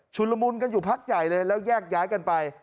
ละมุนกันอยู่พักใหญ่เลยแล้วแยกย้ายกันไป